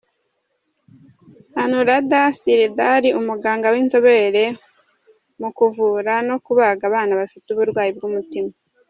Anuradha Sridhar, umuganga w’inzobere mu kuvura no kubaga abana bafite uburwayi bw’umutima.